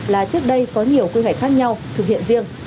là trước đây có nhiều quy hoạch khác nhau thực hiện riêng